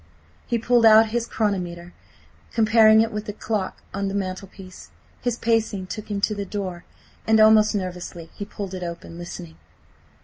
... He pulled out his chronometer, comparing it with the clock on the mantelpiece. His pacing took him to the door, and almost nervously he pulled it open, listening.